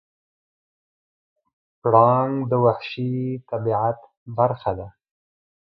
پړانګ د وحشي طبیعت برخه ده.